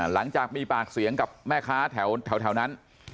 หลังจากมีปากเสียงกับแม่ค้าแถวนั้น